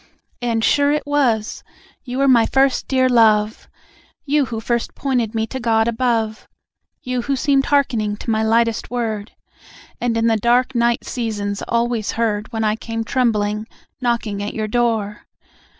And sure it was! You were my first dear love! You who first pointed me to God above; You who seemed hearkening to my lightest word, And in the dark night seasons always heard When I came trembling, knocking at your door.